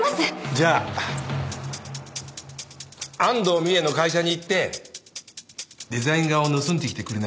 じゃあ安藤美絵の会社に行ってデザイン画を盗んできてくれないかな？